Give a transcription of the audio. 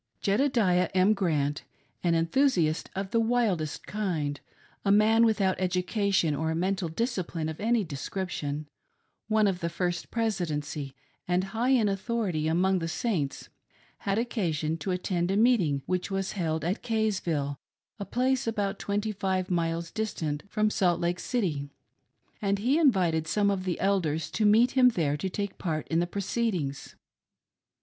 Jedediah M. Grant, an enthusiast of the wildest kind ; a man without education or mental discipline of any description ; one of the First Presidency and high in authority among the Saints, had occasion to attend a meeting which was held at Kaysville, a place about twenty five miles distant from Salt Lake City, and he invited some of the Elders to meet him there to take part jn the proceedings.